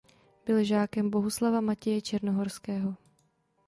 Byl žákem Bohuslava Matěje Černohorského.